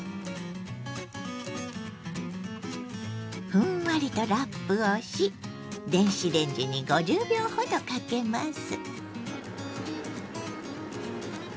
ふんわりとラップをし電子レンジに５０秒ほどかけます。